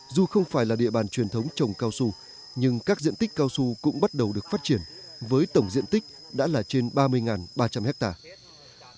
dù không phải là địa bàn truyền thống trồng cao su nhưng các diện tích cao su cũng bắt đầu được phát triển với tổng diện tích đã là trên ba mươi ba trăm linh hectare